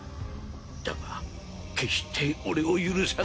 だが決して俺を許さないで。